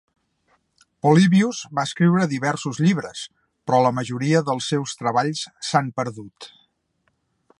Polybius va escriure diversos llibres, però la majoria dels seus treballs s'han perdut.